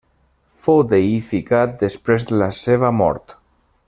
Fou deïficat després de la seva mort.